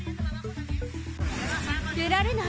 出られない。